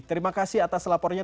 terima kasih atas laporannya